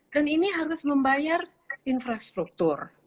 dan ini harus membayar infrastruktur